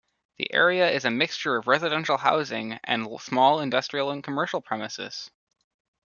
The area is a mixture of residential housing and small industrial and commercial premises.